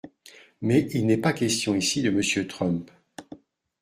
Mais il n’est pas question ici de Monsieur Trump.